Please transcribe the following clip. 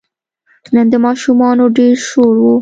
نن د ماشومانو ډېر شور و.